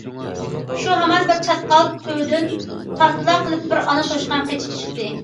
شۇ ھامان بىر چاتقال تۈۋىدىن« پارتلا» قىلىپ بىر ئانا توشقان قېچىپ چىقتى.